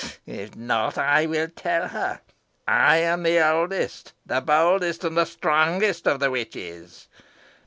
If not, I will tell her. I am the oldest, the boldest, and the strongest of the witches.